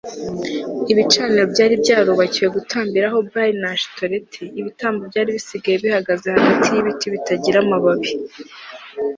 Ibicaniro byari byarubakiwe gutambiraho Bali na Ashitoreti ibitambo byari bisigaye bihagaze hagati yibiti bitagira amababi